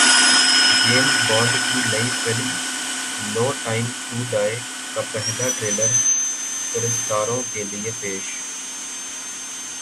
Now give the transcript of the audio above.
James Bond کی نئی film No Time to Die کا پہلا ٹریلر پرستاروں کے لیے پیش